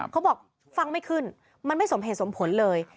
เขาบอกฟังไม่ขึ้นมันไม่สมเหตุสมผลเลย